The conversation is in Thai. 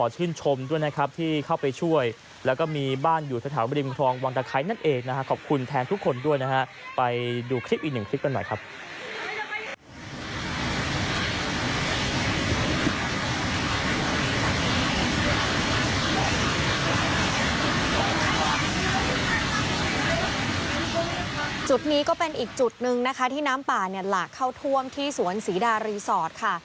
จุดนี้ก็เป็นอีกจุดหนึ่งนะคะที่น้ำป่าเนี่ยหลากเข้าท่วมที่สวนศรีดารีสอร์ทค่ะ